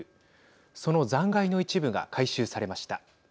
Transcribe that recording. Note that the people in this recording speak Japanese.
その残骸の一部が回収されました。